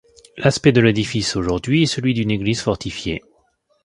L'aspect de l'édifice aujourd'hui est celui d'une église fortifiée.